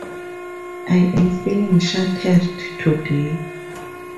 I am feeling shattered today.